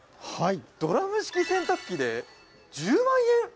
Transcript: ドラム式洗濯機で１０万円？